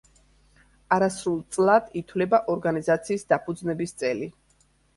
არასრულ წლად ითვლება ორგანიზაციის დაფუძნების წელი.